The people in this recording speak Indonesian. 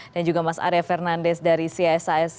dan juga mas arya fernandes dari cisis